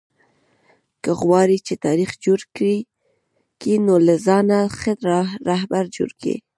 که غواړى، چي تاریخ جوړ کئ؛ نو له ځانه ښه راهبر جوړ کئ!